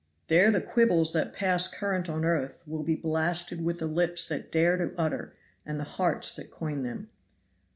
There the quibbles that pass current on earth will be blasted with the lips that dare to utter and the hearts that coin them.